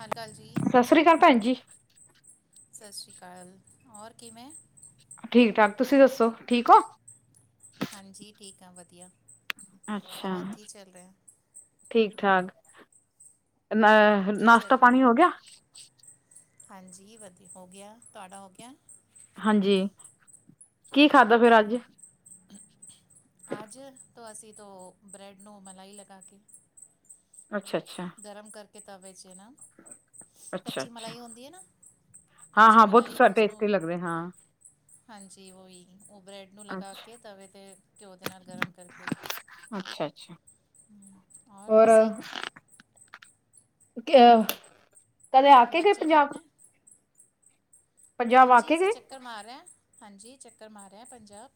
ਹਾਂਜੀ ਹਾਂਜੀ ਸਤਿ ਸ਼੍ਰੀ ਅਕਾਲ ਭੈਣ ਜੀ ਸਤਿ ਸ੍ਰੀ ਅਕਾਲ ਹੋਰ ਕਿਵੇਂ ਠੀਕ ਠਾਕ ਤੁਸੀਂ ਦੱਸੋ ਠੀਕ ਹੋ ਹਾਂਜੀ ਠੀਕ ਆ ਵਧੀਆ ਅੱਛਾ ਔਰ ਕੀ ਚੱਲ ਰਿਹਾ ਠੀਕ ਠਾਕ ਨਾ ਕੀ ਨਾਸ਼ਤਾ ਚੱਲ ਰਿਹਾ ਪਾਣੀ ਹੋ ਹੁਣ ਗਿਆ ਹਾਂਜੀ ਵਧੀਆ ਹੋ ਗਿਆ ਤੁਹਾਡਾ ਹੋ ਗਿਆ ਹਾਂਜੀ ਕੀ ਖਾਧਾ ਜੀ ਫੇਰ ਅੱਜ ਜੀ ਅੱਜ ਤੋਂ ਅਸੀਂ ਤੋਂ ਬ੍ਰੈਡ ਨੂੰ ਮਲਾਈ ਲਗਾ ਕੇ ਅੱਛਾ ਅੱਛਾ ਗਰਮ ਕਰਕੇ ਤਵੇ 'ਚ ਨਾ ਅੱਛਾ ਕੱਚੀ ਅੱਛਾ ਮਲਾਈ ਹੁੰਦੀ ਹੈ ਨਾ ਹਾਂ ਕੱਚੀ ਹਾਂ ਬਹੁਤ ਮਲਾਈ [unintelligible] ਉਸਨੂੰ ਲੱਗਦੇ ਹਾਂ ਹਾਂਜੀ ਉਹੀ ਉਹ ਬ੍ਰੈਡ ਨੂੰ ਲਗਾ ਅੱਛਾ ਕੇ ਤਵੇ ਤੇ ਘਿਓ ਦੇ ਨਾਲ ਗਰਮ ਕਰਕੇ ਅੱਛਾ ਅੱਛਾ ਹਮ, ਔਰ ਹੋਰ ਤੁਸੀਂ ਕਦੇ ਆ ਕੇ ਗਏ ਬੱਚੇ ਪੰਜਾਬ ਠੀਕ ਨੇ ਪੰਜਾਬ ਆ ਹਾਂਜੀ ਕੇ ਅਸੀਂ ਗਏ ਚੱਕਰ ਮਾਰ ਰਹੇ ਹਾਂ ਹਾਂਜੀ ਚੱਕਰ ਮਾਰਹੇ ਪੰਜਾਬ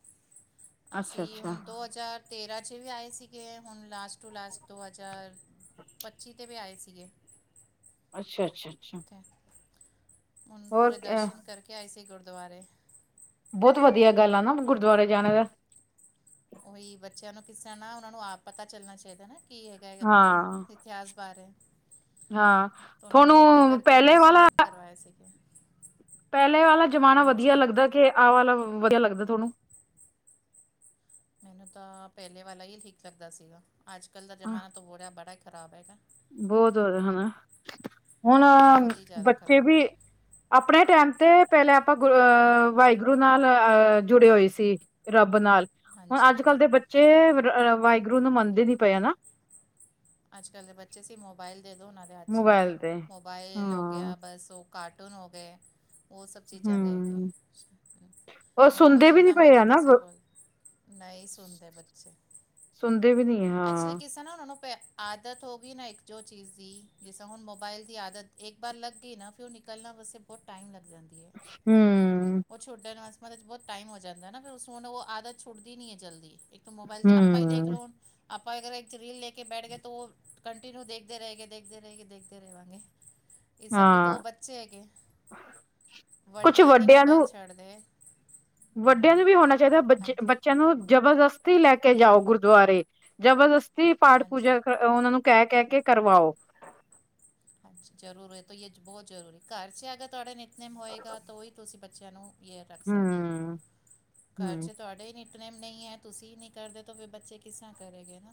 ਅੱਛਾ ਅਸੀਂ ਅੱਛਾ ਹੁਣ ਦੋ ਹਜ਼ਾਰ ਤੇਰਾਂ 'ਚ ਵੀ ਆਏ ਸੀਗੇ ਹੁਣ ਲਾਸਟ ਟੂ ਲਾਸਟ ਦੋ ਹਜ਼ਾਰ ਪੱਚੀ 'ਤੇ ਵੀ ਆਏ ਸੀਗੇ ਅੱਛਾ ਅੱਛਾ ਅੱਛਾ ਉੱਥੇ ਹੁਣ ਹੋਰ ਪੂਰੇ ਦਰਸ਼ਨ ਕਰਕੇ ਆਏ ਸੀ ਗੁਰਦੁਆਰੇ ਬਹੁਤ ਵਧੀਆ ਗੱਲ ਆ ਨਾ ਗੁਰਦੁਆਰੇ ਜਾਣੇ ਦਾ ਉਹੀ ਬੱਚਿਆਂ ਨੂੰ ਕਿਸ ਤਰ੍ਹਾਂ ਨਾਲ ਉਹਨਾਂ ਨੂੰ ਆਪ ਪਤਾ ਚੱਲਣਾ ਚਾਹੀਦਾ ਹੈ ਕੀ ਹੈਗਾ ਹੈ ਆਪਣੇ ਹਾਂ ਇਤਿਹਾਸ ਬਾਰੇ ਹਾਂ ਤੁਹਾਨੂੰ ਪਹਿਲੇ ਵਾਲਾ ਪੈਸਾ [unintelligible] ਪਹਿਲੇ ਵਾਲਾ ਜ਼ਮਾਨਾ ਵਧੀਆ ਲੱਗਦਾ ਕਿ ਆਹ ਵਾਲਾ ਵਧੀਆ ਲੱਗਦਾ ਤੁਹਾਨੂੰ ਮੈਨੂੰ ਤਾਂ ਪਹਿਲੇ ਵਾਲਾ ਹੀ ਠੀਕ ਲੱਗਦਾ ਸੀਗਾ ਅੱਜ ਕੱਲ੍ਹ ਦਾ ਜ਼ਮਾਨਾ ਤਾਂ ਬੋਲੀਆ ਬੜਾ ਹੀ ਖ਼ਰਾਬ ਹੈਗਾ ਬਹੁਤ ਹੋ ਹਨਾ ਹੁਣ ਬਹੁਤ ਹੀ ਜ਼ਿਆਦਾ ਬੱਚੇ ਖਰਾਬ ਹੈ ਵੀ ਆਪਣੇ ਟਾਈਮ ਤੇ ਪਹਿਲੇਾਂ ਆਪਾਂ ਗ ਅਹ ਵਾਹਿਗੁਰੂ ਨਾਲ ਅਹ ਜੁੜੇ ਹੋਏ ਸੀ ਰੱਬ ਨਾਲ ਹੁਣ ਹਾਂਜੀ ਅੱਜ ਕੱਲ੍ਹ ਦੇ ਬੱਚੇ ਵਾਹਿਗੁਰੂ ਨੂੰ ਮੰਨਦੇ ਨੀ ਪਏ ਨਾ ਅੱਜ ਕੱਲ੍ਹ ਦੇ ਬੱਚੇ ਸੀ ਮੋਬਾਇਲ ਦੇ ਦਿਉ ਉਹਨਾਂ ਦੇ ਅੱਜ 'ਚ ਮੋਬਾਇਲ ਤੇ ਮੋਬਾਇਲ ਹੋ ਹਾਂ ਗਿਆ ਬਸ ਉਹ ਕਾਰਟੂਨ ਹੋ ਗਏ ਉਹ ਸਭ ਚੀਜ਼ਾਂ ਲੈ ਕੇ ਹੂੰ। ਉਹ ਉਹਨਾਂ ਨੂੰ ਸੁਣਦੇ ਵੀ ਨੀ ਜਿੰਨਾ ਪਏ ਆ ਮਰਜ਼ੀ ਨਾ ਤੁਸੀਂ ਬੋਲ ਨਹੀਂ ਸੁਣਦੇ ਬੱਚੇ ਸੁਣਦੇ ਵੀ ਨੀ ਐਕਚੁਲੀ ਹਾਂ ਕਿਸ ਨਾ ਉਹਨਾਂ ਨੂੰ ਪ ਆਦਤ ਹੋ ਗਈ ਨਾ ਇੱਕ ਜੋ ਚੀਜ਼ ਦੀ ਜਿਸਸਾ ਹੁਣ ਮੋਬਾਈਲ ਦੀ ਆਦਤ ਇੱਕ ਬਾਰ ਲੱਗਈ ਨਾ ਫਿਰ ਉਹ ਨਿਕਲਣਾ ਵੈਸੇ ਬਹੁਤ ਟਾਈਮੱ ਲਗ ਜਾਂਦੀ ਹੈ ਹਮ ਉਹ ਛੁੱਡਣ ਵਾਸਤੇਤਲ ਬਹੁਤ ਟਾਈਮ ਹੋ ਜਾਂਦਾ ਨਾ ਫਿਰ ਉਸਨ ਉਹਨੂੰ ਉਹ ਆਦਤ ਛੁੱਦੀ ਨਹੀਂ ਹੈ ਜਲਦੀ ਮੋਬਾਇਲ ਤੇ ਆਪਾਂ ਹੀ ਦੇਖ ਹੂੰ ਲਓ ਹੁ ਆਪਾਂ ਅਗਰ ਰੀਲ ਲੈ ਕੇ ਬੈਠ ਗਏ ਉਹ ਕੰਟੀਿਨਿਊ ਦੇਖਦੇ ਰਹਿ ਗਏ ਦੇਖਦੇ ਰਹਿ ਗਏ ਦੇਖਦੇ ਰਹਿਵਾਂਗੇ ਇਸ ਹਫ਼ੇ ਤੋਂ ਹਾਂ ਉਹ ਬੱਚੇ ਹੈਗੇ ਕੁਛ ਵੱਡੇ ਹੀ ਨਹੀਂ ਵੱਡਿਆਂ ਨੂੰ ਮੋਬਾਇਲ ਛੱਡਦੇ ਵੱਡਿਆਂ ਹਮ, ਨੂੰ ਵੀ ਹੋਣਾ ਚਾਹੀਦਾ ਹਾਂਜੀ ਬਚ ਚਲੋ ਜਬਰਦਸਤੀ ਲੈ ਕੇ ਜਾਓ ਗੁਰਦੁਆਰੇ ਜਬਰਦਸਤੀ ਪਾਠ ਹਾਂਜੀ ਪੂਜਾ ਕਰ ਉਹਨਾਂ ਨੂੰ ਕਹਿ ਕਹਿ ਕੇ ਕਰਵਾਓ ਹਾਂਜੀ ਜ਼ਰੂਰ ਇਹ ਬਹੁਤ ਜ਼ਰੂਰੀ ਘਰ ਚ ਅਗਰ ਤੁਹਾਡੇ ਨਿਤਨਿਮ ਹੋਏਗਾ ਤਾਂ ਉਹੀ ਤੁਸੀਂ ਬੱਚਿਆਂ ਨੂੰ ਇਆ ਰੱਖ ਸਕਦੇ ਹੋ ਹਮ ਘਰ ਹਮ ਚ ਤੁਹਾਡੇ ਹੀ ਨੀ। ਨਿੱਤ ਨੇਮ ਨਹੀਂ ਹੈ ਤੁਸੀਂ ਨਹੀਂ ਕਰਦੇ ਤੇ ਫਿਰ ਬੱਚੇ ਕਿਸਰ੍ਹਾਂ ਕਰੇ ਗ ਹਨ।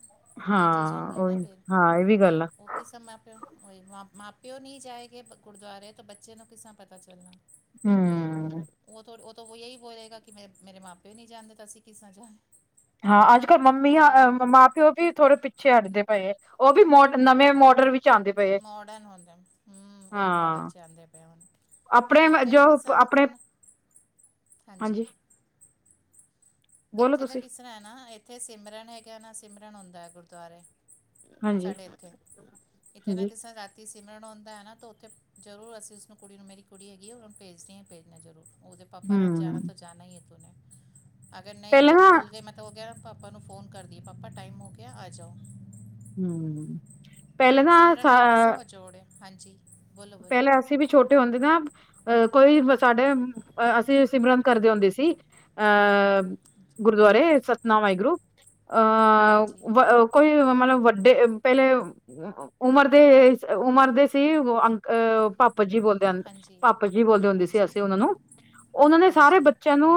ਹਾਂ ਉਹੀ ਹਾਂ ਇਹ ਵੀ ਗੱਲ ਆ। ਕਿਸ ਮਾਂ ਪਿਓਹੀ ਮਾਂ ਪਿਓ ਨਹੀਂ ਜਾਏਗੇ ਗੁਰਦੁਆਰੇ ਤੋਂ ਬੱਚੇ ਨੂੰ ਕਿਸਾਂ ਪਤਾ ਚੱਲਣਾ। [unintelligible] ਉਹ ਉਹ ਤੋਂ ਇਹੀ ਬੋਲਹੇਗਾ ਕਿ ਮੇ ਮੇਰੇ ਮਾਂ ਪਿਓ ਨਹੀਂ ਜਾਣਦੇ ਤਾਂ ਅਸੀਂ ਕਿਸ ਨਾਲ੍ਹਾਂ ਜਾ। ਹਾਂ, ਅੱਜ ਕੱਲ੍ਹ ਮੰਮੀਆਂ ਮਾਂ ਪਿਓ ਵੀ ਥੋੜੇ ਪਿੱਛੇ ਹਟਦੇ ਪਏ। ਉਹ ਵੀ ਮੋ ਨਵੇਂ ਹਾਂਜੀ ਮੋਟਰ ਵਿੱਚ ਆਂਦੇ ਪਏ ਆ ਮੋਡਰਨ ਹੁੰਦਾ ਹੂੰ ਉਹੀ ਮੋਡਰਨ ਹਾਂ। 'ਚ ਆਂਦੇ ਪਏ ਹੁਣ ਨਹੀਂ ਆਪਣੇ ਇੱਥੇ ਜੋ ਤਾਂ ਕਿਸਾਂ ਆਪਣੇ। ਹੁਣ ਹਾਂਜੀ। ਬੋਲੋ ਇੱਥੇ ਤਾਂ ਤੁਸੀਂ ਕਿਸ ਤਰ੍ਹਾਂ ਹੈ ਨਾ ਇੱਥੇ ਸਿਮਰਨ ਹੈਗਾ ਨਾ ਸਿਮਰਨ ਹੁੰਦਾ ਹੈ ਗੁਰਦੁਆਰੇ। ਹਾਂਜੀ ਸਾਡੇ ਇੱਥੇ ਇੱਥੇ ਨਾ ਹਾਂਜੀ ਕਿਸੇ। ਧ ਸਿਮਰਨ ਆਉਂਦਾ ਹੈ ਨਾ ਤਾਂ ਉੱਥੇ ਜ਼ਰੂਰ ਅਸੀਂ ਉਸਨੂੰ ਕੁੜੀ ਨੂੰ ਮੇਰੀ ਕੁੜੀ ਹੈਗੀ ਆ ਉਹਨਾਂ ਨੂੰ ਭੇਜਦੀ ਹਾਂ ਭੇਜਣਾ ਜ਼ਰੂਰ ਉਹਦੇ। ਪਪਾ ਨਾਲ ਹਮ ਜਾਣਾ ਤਾਂ ਜਾਣਾ ਹੀਈ ਤੂੰ ਅਗਰ ਨਹੀਂ ਵੀ ਪਹਿਲਾਂ ਉਹ ਨਾ ਭੁੱਲ ਗਏ ਮੈਂ ਤਾਂ ਉਹ ਕਹਿ ਪਾਪਾ ਨੂੰ ਫੋਨ ਕਰਦੀ ਪਾਪਾ ਟਾਈਮ ਹੋ ਗਿਆ ਆ ਜਾਓ ਹਮ ਪਹਿਲੇਾਂ ਨਾ ਸਿਮਰਨ ਸਾ ਨਾਲ ਕਿਸਾ ਵਜੋੜ ਹੈ ਹਾਂਜੀ ਬੋਲੋ ਬੋਲੋ ਪਹਿਲਾਂ ਅਸੀਂ ਵੀ ਛੋਟੇ ਹੁੰਦੇ ਨਾ ਅਹ ਕੋਈ ਸਾਡੇ ਅਸੀਂ ਸਿਮਰਨ ਕਰਦੇ ਹੁੰਦੇ ਸੀ। ਅਹ ਗੁਰਦੁਆਰੇ ਸਤਿਨਾਮ ਵਾਹਿਗੁਰੂ ਹਾਂਜੀ ਅਹ। ਕੋਈ ਮਤਲਬ ਵੱਡੇ ਪਹਿਲੇ ਉਮਰ ਦੇ ਉਮਰ ਦੇ ਸੀ ਅ। ਅ ਪਾ ਪਾਪਾ ਜੀ ਬੋਲਦੇ ਹਾਂਜੀ ਪਾਪਾ ਜੀ ਬੋਲਦੇ ਹੁੰਦੇ ਸੀ ਹਾਂਜੀ ਅਸੀਂ ਉਹਨਾਂ ਨੂੰ ਉਹਨਾਂ ਨੇ ਸਾਰੇ ਹਾਂਜੀ ਬੱਚਿਆਂ ਨੂੰ।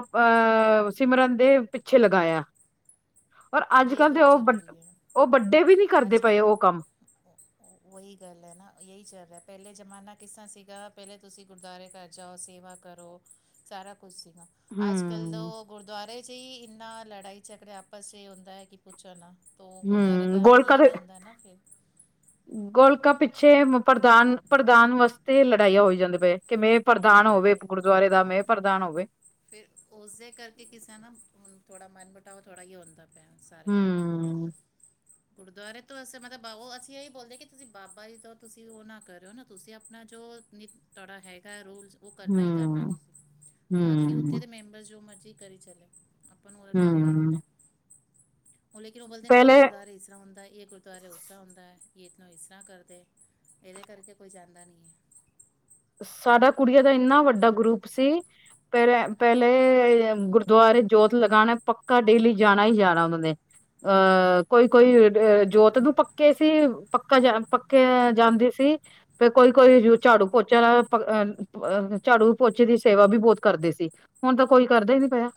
ਅਹ ਸਿਮਰਨ ਦੇ ਪਿੱਛੇ ਲਗਾਇਆ‌। ਔਰ ਅੱਜ ਕੱਲ੍ਹ ਦੇ ਉਹ ਵੱਡੇ ਉਹ ਵੱਡੇ ਵੀ ਨਹੀਂ ਕਰਦੇ ਪਏ ਉਹ ਕੰਮ। [inaudible] ਉਹੀ ਗੱਲ ਐ ਨਾ ਇਹੀ ਚੱਲ ਰਿਹਾ ਪਹਿਲੇ ਜ਼ਮਾਨਾ ਕਿਸ ਤਰ੍ਹਾਂ ਸੀਗਾ ਪਹਿਲੇ ਤੁਸੀਂ ਗੁਰਦੁਆਰੇ ਘਰ ਜਾਓ ਸੇਵਾ। ਕਰੋ ਸਾਰਾ ਕੁਛ ਸੀਗਾ। ਅੱਜ ਕੱਲ੍ਹ ਦ ਹਮ ਓ ਗੁਰਦੁਆਰੇ 'ਚ ਹੀ ਇੰਨਾ ਲੜਾਈ ਝਗੜੇ ਆਪਸ 'ਚ ਹੀ ਹੁੰਦਾ ਕੀ, ਕੁਛ ਨਾ ਤਾਂ ਉਹ ਗੁਰਦੁਆਰੇ ਹਮ ਤਾਂ ਗੋਲਕ ਇਹੀ ਨਹੀਂ ਹੁੰਦਾ ਨਾ ਫਿਰ। ਗੋਲਕਾ ਪਿੱਛੇ ਪ੍ਰਧਾਨ ਪ੍ਰਧਾਨ ਵਾਸਤੇ ਲੜਾਈਆਂ ਹੋਈ ਜਾਂਦਾ ਪਏ ਕਿਵੇਂ। ਪ੍ਰਧਾਨ ਹੋਵੇ ਲੜਾਈ ਗੁਰਦੁਆਰੇ ਦਾ ਮੇ ਪ੍ਰਧਾਨ ਹੋਵੇ। ਫਿਰ ਉਸਦੇ ਕਰਕੇ ਕਿਸੇ ਦਾ ਨਾ ਥੋੜ੍ਹਾ ਮਨ ਬਿਟਾਵਾ ਥੋੜ੍ਹਾ ਈ ਹੁੰਦਾ। ਭੈਣ ਸਾਰਿਆਂ ਦਾ। ਹੂੰ ਗੁਰਦੁਆਰੇ ਤੋਂ ਅ ਮਤਲਬ ਅਸੀਂ ਇਹੀ ਬੋਲਦੇ ਆ ਕਿ ਤੁਸੀਂ ਬਾਬਾ ਜੀ ਤੋਂ ਤੁਸੀਂ ਉਹ ਨਾ ਕਰਿਓ ਨਾ ਤੁਸੀਂ ਆਪਣਾ ਜੋ। ਨੀ। ਤੁਹਾਡਾ ਹੈਗਾ ਰੋਲਸ ਉਹ ਕਰਨਾ ਹੀ ਕਰਨਾ ਹੂੰ ਤੁਸੀਂ। ਬਾਕੀ ਉੱਥੇ ਹੂੰ ਦੇ ਮੈਂਬਰਸ ਜੋ ਮਰਜ਼ੀ ਕਰੀ ਚੱਲੇ ਆਪਾਂ ਨੂੰ ਉਹਦਾ ਕੀ ਏ। ਹੂੰ ਉਹ ਲੇਕਿਨ ਓ ਬੋਲਦੇ ਪਹਿਲੇ ਗੁਰੁਆਰਾ ਇਸ ਤਰ੍ਹਾਂ ਹੁੰਦਾ। ਗੁਰਦੁਆਰੇ ਉਦਾਂ ਹੁੰਦਾ ਤੋਂ ਇਸ ਤਰ੍ਹਾਂ ਕਰਦੇ ਇਹਦੇ ਕਰਕੇ ਕੋਈ ਜਾਂਦਾ ਨਹੀਂ ਐ। ਸਾਡਾ ਕੁੜੀਆਂ ਦਾ ਇੰਨਾ ਵੱਡਾ ਗਰੁੱਪ ਸੀ। ਪਹਿਲੇ ਪਹਿਲੇ ਗੁਰਦੁਆਰੇ ਜੋਤ ਲਗਾਣਾ ਪੱਕਾ ਡੇਲੀ ਜਾਣਾ ਈ ਜਾਣਾ ਉਹਨਾਂ ਨੇ। ਅਹ ਕੋਈ ਕੋਈ ਅ ਜੋਤ ਨੂੰ ਪੱਕੇ ਸੀ ਪੱਕਾ ਜਾ। ਕੇ ਜਾਂਦੀ ਸੀ ਤੇ ਕੋਈ ਕੋਈ ਹਾਂਜੀ ਝਾੜੂ ਪੋ ਚਾ ਲਾਵੇ ਅਹ ਝਾੜੂ ਪੋਚੇ ਦੀ ਸੇਵਾ ਵੀ ਬਹੁਤ ਕਰਦੇ ਸੀ ਹੁਣ ਤਾਂ ਕੋਈ ਕਰਦਾ ਹੀ ਨੀ ਪਿਆ।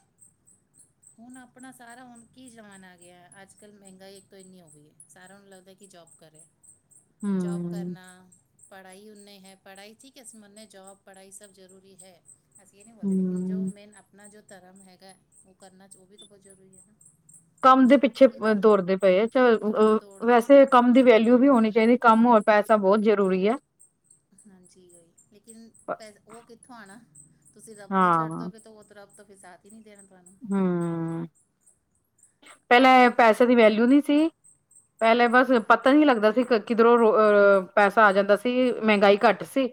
ਹੁਣ ਆਪਣਾ ਸਾਰਾ ਹੁਣ ਕੀ ਜਮਾਨਾ ਆ ਗਿਆ ਅੱਜ ਕੱਲ ਮਹਿੰਗਾਈ ਇੱਕ ਤੋਂ ਇੰਨੀ ਹੋ ਗਈ ਹੈ। ਸਾਰਿਆਂ ਨੂੰ ਲੱਗਦਾ ਕਿ ਜੋਬ ਕਰੋ ਜੋਬ, ਹਮ ਕਰਨਾ ਪੜ੍ਹਾਈ ਉਨੇ ਐ ਪੜ੍ਹਾਈ ਠੀਕ ਹੈ ਮੰਨੇ ਜੌਬ ਪੜ੍ਹਾਈ ਸਭ ਜਰੂਰੀ ਹੈ। ਅਸੀਂ ਇਹ ਨਹੀਂ ਬੋਲਦੇ ਲੇਕਿਨ ਜੋ ਮੇਨ ਆਪਣਾ ਜੋ ਧਰਮ ਹੈਗਾ ਉਹ ਕਰਨਾ ਚ ਉਹ ਵੀ ਤਾਂ ਬਹੁਤ ਜ਼ਰੂਰੀ ਐ। ਕੰਮ ਦੇ ਪਿੱਛੇ ਦੌੜਦੇ ਪਏ ਹਆ ਦੌੜਦੇ ਪਏ ਵੈਸੇ ਹਾਂ ਕੰਮ ਦੀ ਜ਼ਿਆਦਾ ਵੈਲਿਊ। ਵੀ ਹੋਣੀ ਚਾਹੀਦੀ ਕੰਮ ਹੋਵੇ ਪੈਸਾ ਬਹੁਤ ਜ਼ਰੂਰੀ ਐ। ਹਾਂਜੀ, ਲੇਕਿਨ ਪੈਸ ਉਹ ਕਿੱਥੋਂ ਆਣਾ ਤੁਸੀਂ ਰੱਬ ਨੂੰ ਛੱਡ ਹਾਂ ਦੋਗੇ ਤੇ ਉਹ ਰੱਬ ਤੋਂ ਵੀ ਜ਼ਿਆਦਾ। [unintelligible] ਹੂੰ, ਪਹਿਲਾਂ ਉਹੀ ਤਾਂ ਪੈਸੇ ਗੱਲ ਦੀ ਹੈ ਫਿਰ ਵੈਲਿਊ ਨਹੀਂ ਸੀ ਪਹਿਲਾਂ ਬਸ ਪਤਾ ਹਾਂਜੀ ਨੀ ਲੱਗਦਾ ਸੀ। ਕਿਧਰੋਂ ਅਹ ਪੈਸਾ ਆ ਜਾਂਦਾ ਸੀ ਮਹਿੰਗਾਈ ਘੱਟ ਸੀ।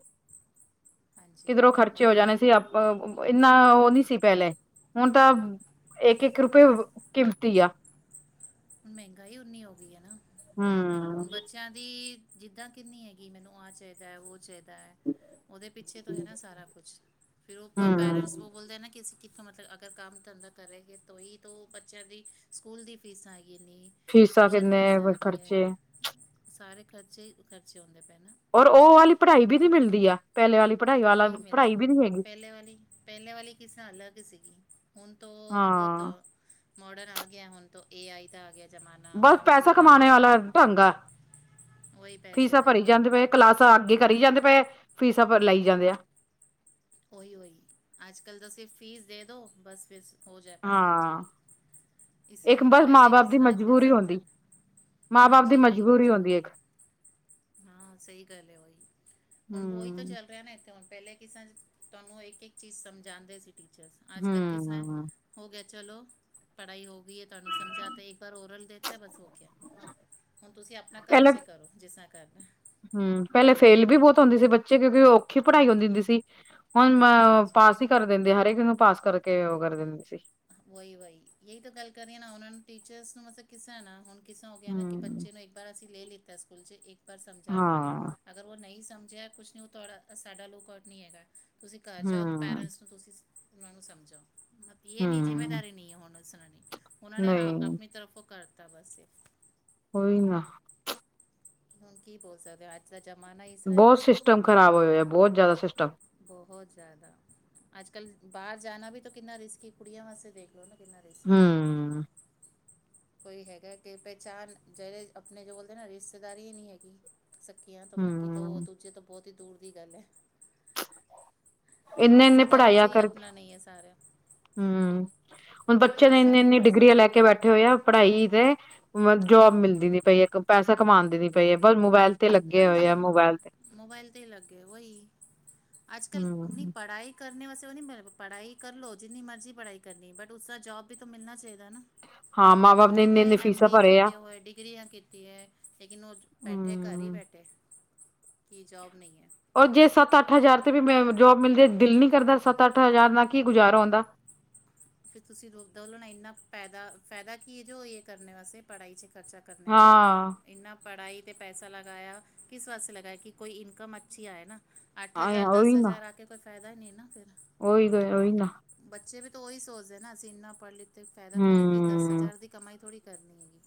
ਹਾਂਜੀ ਕਿਧਰੋਂ ਖਰਚੇ ਹੋ ਉਹੀ ਉਹੀ ਜਾਣੇ ਸੀ ਇੰਨਾ ਉਹ ਨੀ ਸੀ ਪਹਿਲੇ। ਹੁਣ ਤਾਂ ਏਕੇ-ਏਕ ਰੂਪਏ ਕਿਮਤੀ ਆ। ਹੁਣ ਮਹਿੰਗਾਈ ਉਓਨੀ ਹੋ ਗਈ ਹੈ ਨਾ। ਹੂੰ, ਬੱਚਿਆਂ ਦੀ ਜਿੱਦਾਂ ਕਿੰਨੀ ਹੈਗੀ ਮੈਨੂੰ ਆਹ ਚਾਹੀਦਾ ਉਹ ਚਾਹੀਦਾ। ਉਹਦੇ ਪਿੱਛੇ ਤੋਂ ਹੈ ਨਾ ਸਾਰਾ ਕੁੱਛ ਫਿਰ ਉਹ ਪੇਰੈਂਟਸ ਹਮ ਬੋਲਦੇ ਨਾ ਕਿ ਅਸੀਂ ਕਿੱਥੋਂ ਮਤਲਬ ਅਗਰ ਕੰਮ ਧੰਦਾ ਕਰੇਗੇ ਤੋਂ ਹੀ ਤੋਂ ਬੱਚਿਆਂ ਦੀ ਸਕੂਲ ਦੀ ਫੀਸਾਂ ਹੈਗੀਆਂ ਇੰਨੀਆਂ। ਫੀਸਾਂ ਕਿੰਨੇ ਖਰਚੇ। ਸਾਰੇ ਖਰਚੇ ਖਰਚੇ ਹੁੰਦੇ ਪਏ‌ ਨੇ। ਔਰ ਉਹ ਵਾਲੀ ਪੜ੍ਹਾਈ ਵੀ ਨੀ ਮਿਲਦੀ ਆ। ਪਹਿਲੇ ਵਾਲੀ ਪੜ੍ਹਾਈ। ਵਾਲਾ ਨਹੀਂ ਪੜ੍ਹਾਈ ਮਿਲਦੀ। ਵੀ ਨਹੀਂ ਹੈਗੀ ਪਹਿਲੇ ਵਾਲੀ ਪਹਿਲੇ ਵਾਲੀ ਕਿਸ ਤਰ੍ਹਾਂ ਅਲੱਗ ਸੀਗੀ। ਹੁਣ ਬਹੁਤ ਹਾਂ ਮੋਡਰਨ ਆ ਗਿਆ ਹੁਣ ਏ ਆਈ ਤਾਂ ਆ ਗਿਆ। ਜ਼ਮਾਨਾ ਬਸ ਪੈਸਾ ਕੰਪਿਊਟਰ ਦਾ ਕਮਾਣੇ ਵਾਲਾ ਚਲਦਾ। ਢੰਗ ਆ ਉਹੀ ਪੈਸੇ ਫੀਸਾਂ ਦਾ ਹੀ ਭਰੀ ਡਰਨੇ ਆ ਜਾਂਦੇ ਪਏ ਪੂਰਾ। ਕਲਾਸਾਂ ਅੱਗੇ ਕਰੀ ਜਾਂਦੇ ਪਏ। ਫੀਸਾਂ ਲਈ ਜਾਂਦੇ ਆ। ਉਹੀ ਉਹੀ ਅੱਜ ਕੱਲ੍ਹ ਤਾਂ ਸਿਰਫ ਫੀਸ ਦੇ ਦੋ। ਬਸ ਫਿਰ ਹੋ ਜਾਏ ਪੜ੍ਹਾਈ ਹੋ ਹਾਂ ਜਾਏਗੀ। ਇਸ ਤਰ੍ਹਾਂ ਇੱਕ ਹੈਗਾ। ਬਸ ਮਾਂ ਪਹਿਲੇ ਬਾਪ ਕਿਸ ਦੀ ਤਰ੍ਹਾਂਥੇ ਮਜਬੂਰੀ ਸਮਝ ਆਦਾ। ਹੁੰਦੀ ਮਾਂ -ਬਾਪ ਦੀ ਮਜਬੂਰੀ ਹੁੰਦੀ ਇੱਕ। ਹਾਂ, ਸਹੀ ਗੱਲ ਹੈ ਉਹੀ ਹੁਣ, ਉਹੀ ਤਾਂ ਹੂੰ ਚੱਲ ਰਿਹਾ ਨਾ ਇੱਥੇ ਹੁਣ ਪਹਿਲੇ ਕਿਸ ਤੁਹਾਨੂੰ ਇੱਕ- ਇੱਕ ਚੀਜ਼ ਸਮਝਾਉਂਦੇ ਸੀ ਟੀਚਰ। ਅੱਜ ਕੱਲ ਕਿਸ ਤਰ੍ਹਾਂ ਹੂੰ ਹੋ ਗਿਆ ਚਲੋ। ਪੜ੍ਹਾਈ ਹੋ ਗਈ ਹੈ ਤੁਹਾਨੂੰ ਸਮਝਾਤਾ ਇੱਕ ਵਾਰ ਓਰਲ ਦੇ ਤਾਂ ਬਸ ਹੋ ਗਿਆ। ਹੁਣ ਤੁਸੀਂ ਆਪਣਾ ਘਰ ਚ ਕਰੋ, ਜਿਸ ਤਰ੍ਹਾਂ ਕਰਨਾ। ਹਮ, ਪਹਿਲੇ ਫੇਲ ਵੀ ਬਹੁਤ ਹੁੰਦੀ ਸੀ ਬੱਚੇ। ਕਿਉਂਕਿ ਉਹ ਔਖੀ ਪੜ੍ਹਾਈ ਹਉੁੰਦੀ ਹੁੰਦੀ ਸੀ। ਹੁਣ ਮੈਂ ਹਾਂਜੀ ਪਾਸ ਹੀ ਕਰ ਦਿੰਦੀ ਹਰੇਕ ਨੂੰ ਪਾਸ ਕਰਕੇ ਉਹ ਕਰ ਦਿੰਦੀ ਸੀ। ਵਹੀ- ਵਹੀ ਇਹੀ ਤਾਂ ਗੱਲ ਕਰੀਏ ਨਾ ਉਹਨਾਂ ਨੂੰ ਟੀਚਰਸ ਨੂੰ ਮਤਲਬ ਕਿਸਾਂ ਨਾ ਹੁਣ ਕਿਸਾਂ ਹੋ ਗਿਆ ਨਾ ਕਿ ਹੂੰ ਬੱਚੇ ਨੂੰ ਪਰ ਅਸੀਂ ਲੈ ਲਿੱਤਾ ਸਕੂਲ ਚ' ਇੱਕ ਵਾਰ ਸਮਝਾਤਾ। ਹਾਂ ਅਗਰ ਉਹ ਨਹੀਂ ਸਮਝਿਆ ਕੁਛ ਨਹੀਂ ਉਹ ਤੁਹਾਡਾ ਸਾਡਾ ਲੁਕ ਆਊਟ ਨਹੀਂ ਹੈਗਾ। ਤੁਸੀਂ ਘਰ ਜਾਓ ਹੂੰ ਪੈਰੈਂਟਸ ਤੁਸੀਂ ਉਹਨਾਂ ਨੂੰ ਸਮਝੋ ਮ ਇਹ ਨਹੀਂ। ਹੂੰ ਜ਼ਿੰਮੇਵਾਰੀ ਹੁਣ ਸੁਣਾ, ਉਹਨਾਂ ਨੇ ਹਾਂ ਨਹੀਂ ਆਪਣੀ ਤਰਫੋਂ ਕਰ ਦਿੱਤਾ ਬਸ ਇਹ। ਹੋਈ ਨਾ। ਹੁਣ ਕੀ ਬੋਲ ਸਕਦੇ ਹੋ। ਦਾ ਜ਼ਮਾਨਾ ਇਸ ਤਰ੍ਹਾਂ ਹੈਗਾ ਬਹੁਤ ਸਿਸਟਮ ਖ਼ਰਾਬ ਹੋਏ ਬਹੁ- ਹੋ ਆ, ਬਹੁਤ ਜ਼ਿਆਦਾ ਸਿਸਟਮ। ਬਹੁਤ ਜ਼ਿਆਦਾ। ਅੱਜ ਕੱਲ ਬਾਹਰ ਜਾਣਾ ਵੀ ਤਾਂ ਕਿੰਨਾ ਰਿਸਕ ਕੁੜੀਆਂ ਵਾਸਤੇ ਦੇਖਲੋ ਨਾ ਕਿੰਨਾ ਰਿਸਕ। ਹਾਂ। ਕੋਈ ਹੈਗਾ ਕਿ ਪਹਿਚਾਣ ਜਿਹੜੇ ਆਪਣੇ ਜੋ ਬੋਲਦੇ ਨਾ ਰਿਸ਼ਤੇਦਾਰੀ ਹੀ ਨਹੀਂ ਹੈਗੀ। ਸਕੱਕੀਆਂ ਤੋਂ ਬਾਕੀ ਤੋਂ ਉਹ ਹੂੰ ਦੂਜੇ ਤੋਂ ਬਹੁਤ ਹੀ ਦੂਰ ਦੀ ਗੱਲ ਹੈ। ਇੰਨੇ ਇੰਨੇ ਰਿਸ਼ਤੇਦਾਰੀ ਚਹੀ ਆਪਣਾ ਨਹੀਂ ਹੈ ਸਾਰਿਆਂ। ਹਮ ਹੁਣ ਬੱਚੇ ਨੇ ਭਰੋਸਾ ਇੰਨੀ- ਨਹੀਂ ਇੰਨੀ ਕਰ ਡਿਗਰੀਆਂ ਸਕਦੇ ਲੈ ਨਾ ਕੇ ਆਪਾਂ ਬੈਠੇ ਹੋਏ ਆ। ਪੜ੍ਹਾਈ ਤੇ ਮਤ ਜੋਬ ਮਿਲਦੀ ਨੀ ਪਈ ਹੈ ਪੈਸਾ ਕਮਾਂਦੀ ਨੀ ਪਈ ਹੈ ਬ ਮੋਬਾਇਲ ਤੇ ਲੱਗੇ ਹੋਏ ਹਾਂਜੀ, ਆ ਮੋਬਾਇਲ ਤੇ ਮੋਬਾਇਲ ਤੇ ਲੱਗੇ ਉਹੀ ਅੱਜ ਕੱਲੀ ਹਮ ਪੜ੍ਹਾਈ ਕਰਨੇ ਵਾਸਤੇ ਉਹ ਨੀ ਮ ਪੜ੍ਹਾਈ ਕਰ ਲਓ ਜਿੰਨੀ ਮਰਜ਼ੀ ਪੜ੍ਹਾਈ ਕਰਨੀ ਬਟ ਉਸਦਾ ਜੋਬ ਵੀ ਤੂੰ ਮਿਲਣਾ ਚਾਹੀਦਾ। ਹਾਂ ਮਾਂ ਬਾਪ ਹੁਣ ਨੇ ਇੰਨੇ ਕਿੰਨੇ ਇੰਨੇ ਐਮ ਫੀਸਾਂ ਬੀ ਭਰੇ ਆ ਕੀਤੇ ਹੋਏ ਡਿਗਰੀਆਂ ਕੀਤੀਆਂ ਹੈ। ਲੇਕਿਨ ਉਹ ਬੈਠੇ ਘਰ ਹੀ ਹਮ ਬੈਠੇ ਕੀ ਜੋਬ ਨਹੀਂ ਹੈ। ਔਰ ਜੇ ਸੱਤ -ਅੱਠ ਹਜ਼ਾਰ ਤੇ ਵੀ ਮੈਂ ਜੋਬ ਮਿਲਦੀ ਦਿਲ ਨੀ ਕਰਦਾ ਸੱਤ -ਅੱਠ ਹਜ਼ਾਰ ਨਾਲ ਕੀ ਗੁਜ਼ਾਰਾ ਆਉਂਦਾ। ਫਿਰ ਤੁਸੀਂ ਰੋ ਇੰਨਾ ਫਾਇਦਾ-ਫਾਇਦਾ ਕੀ ਜੋ ਇਹ ਕਰਨੇ ਵਾਸਤੇ ਪੜ੍ਹਾਈ ਚ' ਖਰਚਾ। ਕਰਨੇ ਦਾ। ਹਾਂ ਇਨਾ ਪੜ੍ਹਾਈ 'ਤੇ ਪੈਸਾ ਲਗਾਇਆ ਕਿਸ ਵਾਸਤੇ ਲਗਾਇਆ। ਕਿ ਕੋਈ ਇਨਕਮ ਅੱਛੀ ਆਏ ਨਾ। ਅੱਠ ਆ ਹਜ਼ਾਰ, ਉਹੀ ਦਸ ਨਾ ਹਜ਼ਾਰ ਆ ਕੇ ਕੋਈ ਫ਼ਾਇਦਾ ਹੀ ਨਹੀਂ ਨਾ ਫਿਰ ਉਹੀ ਕੋ ਉਹੀ ਨਾ ਬੱਚੇ ਵੀ ਤਾਂ ਉਹੀ ਸੋਚਦੇ ਨਾ ਅਸੀਂ ਇੰਨਾ ਪੜ੍ਹ ਲਿੱਖ ਫਾਇਦਾ ਥੋੜ੍ਹਾ ਕੀਤਾ ਸੀ ਹਮ ਹਜ਼ਾਰ ਦੀ ਕਮਾਈ ਥੋੜੀ ਕਰਨੀ ਹੈਗੀ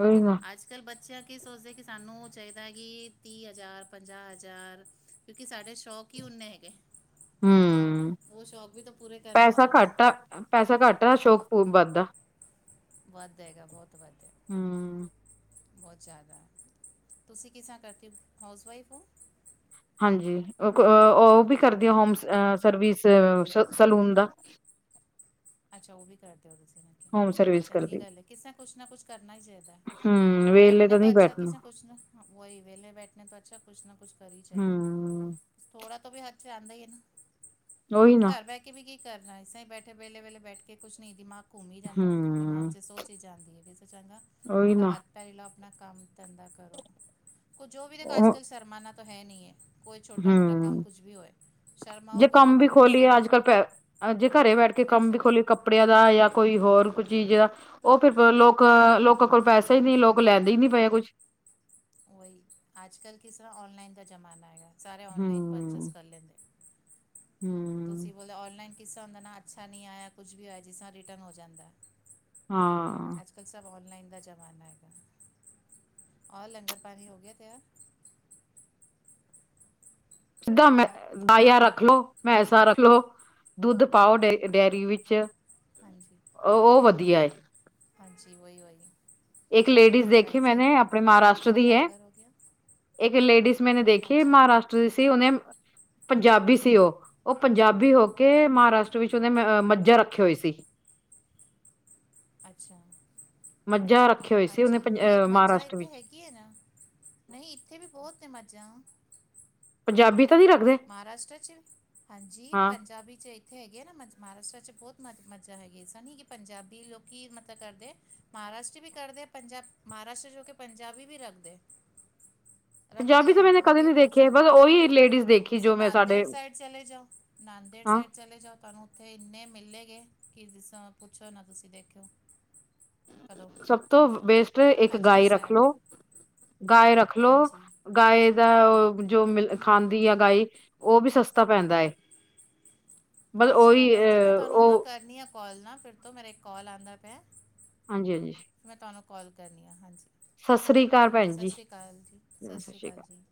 ਹੋਈ ਨਾ ਅੱਜ ਕੱਲ੍ਹ ਬੱਚਿਆਂ ਕੀ ਸੋਚਦੇ ਕਿ ਸਾਨੂੰ ਚਾਹੀਦਾ ਹੈ ਕਿ ਤੀਹ ਹਜ਼ਾਰ, ਪੰਜਾਹ ਹਜ਼ਾਰ ਕਿਉਂਕਿ ਸਾਡੇ ਸ਼ੌਕ ਹੀ ਓਨੇ ਹੈਗੇ। ਹਮ, ਉਹ ਸ਼ੌਕ ਵੀ ਤਾਂ ਪੂਰੇ ਕਰਨੇ ਪੈਸਾ ਉਹਨਾਂ ਨੇ ਘੱਟ ਆ, ਪੈਸਾ ਘੱਟ ਆ ਸ਼ੋਕ ਪ ਵੱਧ ਦਾ ਵੱਧ ਹੈਗਾ ਬਹੁਤ ਵੱਧ ਹੈ। ਹਮ, ਬਹੁਤ ਜ਼ਿਆਦਾ ਤੁਸੀਂ ਕਿਸ ਤਰਾ ਕਰਕੇ ਹਾਊਸ ਵਾਈਫ ਹੋ? ਹਾਂਜੀ, ਉਹ ਵੀ ਕਰਦੀਆਂ ਹੋਮ ਸਰਵਿਸ ਸਲੂਨ ਦਾ। ਅੱਛਾ। ਉਹ ਵੀ ਕਰ ਦਿਓ ਤੁਸੀਂ ਕਿਹਾ ਹੋਮ ਨਹੀਂ ਸਰਵਿਸ ਚੰਗੀ ਕਰਦੀ ਗੱਲ ਹੈ। ਕਿਸ ਤੇ ਕੁਛ ਨਾ ਕੁਛ ਕਰਨਾ ਹੀ ਚਾਹੀਦਾ। ਹਮ, ਵੇਖਲੇ ਤਾਂ ਨਹੀਂ ਬੈਠਣੇ। ਹਾਂ ਵਹੀ ਵਿਹਲੇ ਬੈਠੇ ਤੋਂ ਅੱਛਾ, ਕੁਛ ਨਾ ਕੁਛ ਕਰ ਹੀ ਚਲੋ ਹੂੰ ਥੋੜਾ ਤੋਂ ਵੀ ਹੱਥ ਆਉਂਦਾ ਈ ਨਾ ਉਹੀ ਨਾ ਘਰ ਬਹਿ ਕੇ ਵੀ ਕੀ ਕਰਨਾ ਇਸੇ ਹੀ ਬੈਠੇ ਵੇਲੇ- ਵੇਲੇ ਬੈਠ ਕੇ ਕੁਛ ਨਹੀਂ ਦ ਦਿਮਾਗ ਘੁੰਮ ਹੀ ਜਾਂਦਾ ਦਿਮਾਗ ਹੂੰ 'ਚ ਸੋ ਚੀਜ਼ਾਂ ਆਉਂਦੀ ਹੈ ਇਸ ਤੋਂ ਚੰਗਾ ਉਹੀ ਥੋੜ੍ਹਾ ਨਾ ਹੱਥ ਪਹਿਰੀ ਲਓ ਆਪਣਾ ਕੰਮ ਧੰਦਾ ਕਰੋ ਕੁ ਜੋ ਵੀ ਦੇਖੋ ਅੱਜ ਉਹ ਕੱਲ੍ਹ ਸ਼ਰਮਾਣਾਉ ਤਾਂ ਹੈ ਨਹੀਂ ਹੈ ਕੋਈ ਛੋਟਾ ਮੋਟਾ ਕੰਮ ਹੂੰ ਕੁਛ ਵੀ ਹੋਏ ਜੇ ਸ਼ਰਮਾਓਗੇ ਤਾਂ ਕੰਮ ਵੀ ਤੂੰ ਕਿਸ ਖੋਲੀਏ ਤਾਂ ਅੱਜ ਕੱਲ ਪੈ ਜੇ ਘਰੇ ਬੈਠ ਕੇ ਕੰਮ ਵੀ ਖੋਲੀਏ ਕੱਪੜਿਆਂ ਦਾ ਜਾਂ ਕੋਈ ਹੋਰ ਕੋਈ ਚੀਜ਼ ਦਾ ਉਹ ਫਿਰ ਲੋਕ ਲੋਕਾਂ ਕੋਲ ਪੈਸਾ ਹੀ ਨਹੀਂ ਲੋਕ ਲੈਂਦੇ ਹੀ ਨੀ ਪਏ ਕੁਛ ਉਹੀ ਅੱਜ ਕੱਲ੍ਹ ਕਿਸ ਤਰ੍ਹਾਂ ਔਨਲਾਈਨ ਦਾ ਜ਼ਮਾਨਾ ਹੈਗਾ ਸਾਰੇ ਔਨਲਾਈਨ ਪਰ ਪਰਚੇਸ ਕਰ ਲੈਂਦੇ ਹਮ ਤੁਸੀਂ ਬੋਲਦੇ ਔਨਲਾਈਨ ਕਿੱਸਾ ਹੁੰਦਾ ਨਾ ਅੱਛਾ ਨਹੀਂ ਆਇਆ ਕੁਝ ਵੀ ਹੋਇਆ ਜਿਸ ਤਰ੍ਹਾਂ ਰਿਟਰਨ ਹੋ ਜਾਂਦਾ ਹਾਂ ਅੱਜ ਕੱਲ੍ਹ ਸਭ ਔਨਲਾਈਨ ਦਾ ਜ਼ਮਾਨਾ ਹੈਗਾ ਔਰ ਲੰਗਰ ਪਾਣੀ ਹੋ ਗਿਆ ਤਿਆਰ ਸਿੱਧਾ ਮੈਂ ਆਇਆ ਰੱਖ ਹੈਲੋ ਲੋੋ ਮੈਸਾ ਰੱਖ ਲੋ ਦੁੱਧ ਪਾਓ ਡੇ ਡੇਅਰੀ ਵਿੱਚ ਹਾਂਜੀ ਉਹ ਵਧੀਆ ਏ ਹਾਂਜੀ ਉਹੀ ਵਾਲੀ- ਇੱਕ ਲੇਡੀਜ਼ ਦੇਖੀ ਮੈਂਨੇ ਆਪਣੇ ਮਹਾਰਾਸ਼ਟਰ ਔਰ ਦੀ ਹੈ ਲੰਗਰ ਹੋ ਗਿਆ [inaudible] [inaudible] ਇੱਕ ਲੇਡੀਜ਼ ਮੈਂਨੇ ਦੇਖੀ ਹਾਂਜੀ ਮਹਾਰਾਸ਼ਟਰ ਦੀ ਸੀ ਉਹਨੇ ਪੰਜਾਬੀ ਸੀ ਉਹ, ਉਹ ਪੰਜਾਬੀ ਹੋ ਕੇ ਮਹਾਰਾਸ਼ਟਰ ਵਿੱਚ ਉਹਨੇ ਮੱਝਾਂ ਰੱਖੇ ਹੋਏ ਸੀ। ਅੱਛਾ ਮੱਝਾਂ ਰੱਖੇ ਹੋਏ ਸੀ ਉਹਨੇ ਪੰਜਹ ਮਹਾਰਾਸ਼ਟਰ ਵਿੱਚ ਕੀ ਨਾ, ਨਹੀਂ ਇੱਥੇ ਵੀ ਬਹੁਤ ਨੇ ਮੱਝ ਪੰਜਾਬੀ ਤਾਂ ਨਹੀਂ ਰੱਖਦੇ ਮਹਾਰਾਸ਼ਟਰ 'ਚ ਹਾਂਜੀ ਹਾਂ ਪੰਜਾਬੀ 'ਚ ਇੱਕ ਇੱਥੇ ਹੈਗੇ ਹੈ ਨਾ ਮ ਮਹਾਰਾਸ਼ਟਰ 'ਚ ਬਹੁਤ ਮਜ ਮੱਝਾਂ ਹੈਗੀ ਸਨ। ਕਿ ਪੰਜਾਬੀ ਲੋਕ ਮਤਲਬ ਕਰਦੇ ਮਹਾਰਾਸ਼ਟਰੀ ਵੀ ਕਰਦੇ ਪੰਜਾਬ ਮਹਾਰਾਸ਼ਟਰ ਜੋ ਕਿ ਪੰਜਾਬੀ ਵੀ ਰੱਖਦੇ ਰੱਖਦੇ ਪੰਜਾਬੀ ਤਾਂ ਹੈ ਮੈਨੇ ਕਦੇ ਹੈਗੇ ਨਹੀਂ ਬਹੁਤ ਦੇਖੇ ਸਾਰੇ ਬਸ ਉਹੀ ਲੇਡੀਜ਼ ਦੇਖੀ ਤੁਸੀਂ ਜੋ ਮੈਂ ਨਾਂਦੇੜ ਸਾਡੇ ਸਾਈਡ ਚਲੇ ਜਾਓ ਨਾਂਦੇੜ ਹਾਂ ਸਾਈਡ ਚਲੇ ਜਾਓ ਤੁਹਾਨੂੰ ਉੱਥੇ ਇੰਨੇ ਮਿਲੇ ਗਏ ਕਿ ਪੁੱਛੋ ਨਾ ਤੁਸੀਂ ਦੇਖਿਓ ਕਦੋਂ ਸਭ ਤੋਂ ਬੇਸਟ ਇੱਕ ਹਜ਼ੂਰ ਗਾਇ ਰੱਖ ਸਾਹਿਬ ਲੋ, ਗਾਇ ਰੱਖ ਲੋ ਹਾਂਜੀ ਗਾਏ ਦਾ ਜੋ ਮਿਲ ਖਾਂਦੀ ਆ ਗਾਇ ਉਹ ਵੀ ਸਸਤਾ ਪੈਂਦਾ [inaudible] [inaudible] ਬਸ ਅੱਛਾ ਉਹੀ ਭੈਣ ਜੀ ਮੈਂ ਅਹ ਤੁਹਾਨੂੰ ਨਾ ਉਹ ਕਰਨੀ ਹੈ ਕੋਲ ਨਾ ਫਿਰ ਤੋਂ ਮੇਰਾ ਇੱਕ ਕੋਲ ਆਉਂਦਾ ਪਿਆ ਹਾਂਜੀ-ਹਾਂਜੀ ਮੈਂ ਤੁਹਾਨੂੰ ਕੋਲ ਕਰਨੀ ਆ ਹਾਂਜੀ ਸਤਿ ਸ੍ਰੀ ਅਕਾਲ ਓਕੇ ਭੈਣ ਸਤਿ ਜੀ, ਸ਼੍ਰੀ ਅਕਾਲ ਜੀ-ਸਤਿ ਸਤਿ ਸ਼੍ਰੀ ਸ੍ਰੀ ਅਕਾਲ ਜੀ